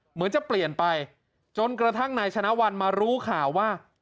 เหมือนจะเปลี่ยนไปจนกระทั่งนายชนะวันมารู้ข่าวว่า